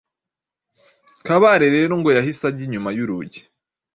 Kabare rero ngo yahise ajya inyuma y’urugi